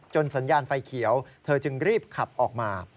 สัญญาณไฟเขียวเธอจึงรีบขับออกมา